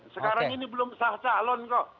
sekarang ini belum sah calon kok